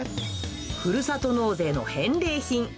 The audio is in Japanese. ふるさと納税の返礼品。